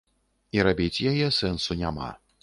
І рабіць яе сэнсу няма.